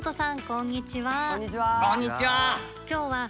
こんにちは！